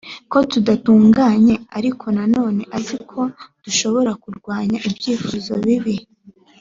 ko tudatunganye ariko nanone azi ko dushobora kurwanya ibyifuzo bibi